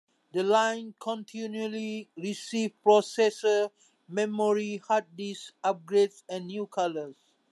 The line continually received processor, memory, hard disk upgrades and new colors.